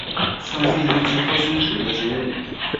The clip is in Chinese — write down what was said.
山蒿为菊科蒿属的植物。